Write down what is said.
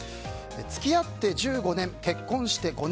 付き合って１５年、結婚して５年。